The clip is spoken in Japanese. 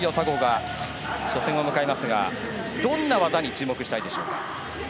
佐合が初戦を迎えますが、どんな技に注目したいですか。